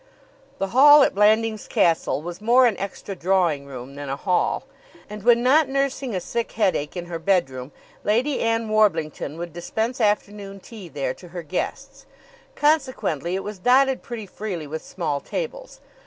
The hall at Blandings Castle was more an extra drawing room than a hall; and, when not nursing a sick headache in her bedroom, Lady Ann Warblington would dispense afternoon tea there to her guests. Consequently it was dotted pretty freely with small tables.